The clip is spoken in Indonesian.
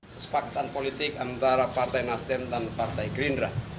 kesepakatan politik antara partai nasdem dan partai gerindra